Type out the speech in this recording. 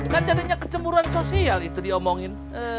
kan jadinya kecemburuan sosial itu diomongin